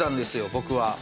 僕は。